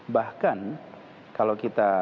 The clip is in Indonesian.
bahkan kalau kita